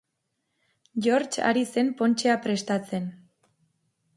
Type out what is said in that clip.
George ari zen pontxea prestatzen.